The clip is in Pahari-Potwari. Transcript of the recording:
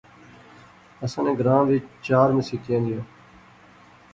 اساں نے گراں وچ چار مسیتاں زیاں